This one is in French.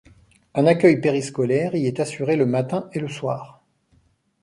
Un accueil périscolaire y est assuré le matin et le soir.